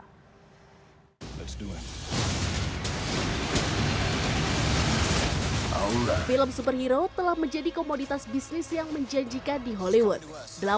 film superhero telah menjadi komoditas bisnis yang menjanjikan di hollywood